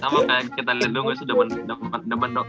sama kayak kita liat dulu gak sih demen dong